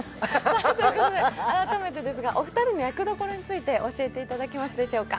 改めてですが、お二人の役どころについて教えていただけますでしょうか。